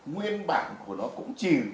nguyên bản của nó cũng chỉ